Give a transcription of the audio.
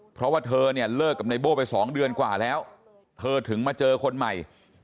เพราะว่าเธอเนี่ยเลิกกับนายโบ้ไป๒เดือนกว่าแล้วเธอถึงมาเจอคนใหม่